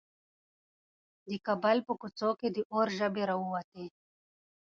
د کابل په کوڅو کې د اور ژبې راووتې.